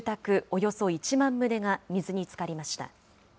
およそ１万棟が水につかりました。